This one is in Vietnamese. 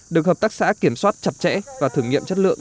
được hợp tác xã kiểm soát chặt chẽ và thử nghiệm chất lượng